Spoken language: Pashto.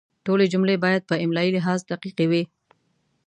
ټولې جملې باید په املایي لحاظ دقیقې وي.